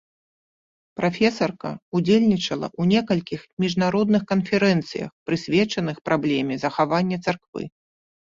Прафесарка ўдзельнічала ў некалькіх міжнародных канферэнцыях, прысвечаных праблеме захавання царквы.